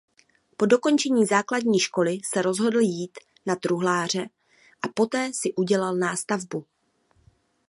Po dokončení základní školy se rozhodl jít na truhláře a poté si udělal nástavbu.